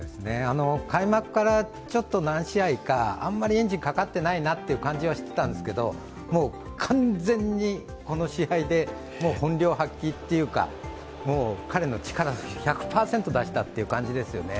開幕から何試合か、あまりエンジンがかかっていないなという感じはしてたんですけどもう完全にこの試合でもう本領発揮というか彼の力を１００％出した感じですよね。